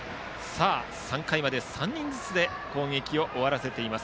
３回まで３人ずつで攻撃を終わらせています。